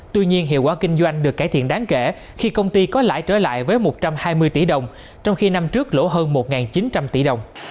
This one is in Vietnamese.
tuy nhiên hiệu quả kinh doanh được cải thiện đáng kể khi công ty có lãi trở lại với một trăm hai mươi tỷ đồng trong khi năm trước lỗ hơn một chín trăm linh tỷ đồng